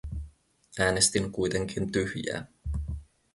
Äänestin kuitenkin tyhjää.